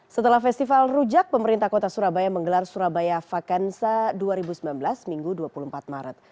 setelah festival rujak pemerintah kota surabaya menggelar surabaya vakansa dua ribu sembilan belas minggu dua puluh empat maret